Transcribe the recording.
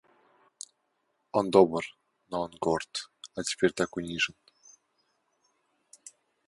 Он добр, но он горд, а теперь так унижен.